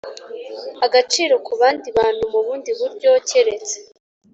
agaciro ku bandi bantu mu bundi buryo keretse